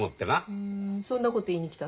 ふんそんなこと言いに来たの？